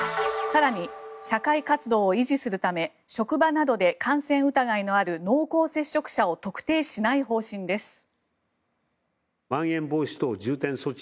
更に社会活動を維持するため職場などで感染疑いのある濃厚接触者を特定しない方針です。